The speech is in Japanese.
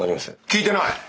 聞いてない！